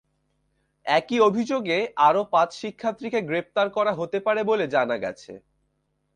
একই অভিযোগে আরও পাঁচ শিক্ষার্থীকে গ্রেপ্তার করা হতে পারে বলে জানা গেছে।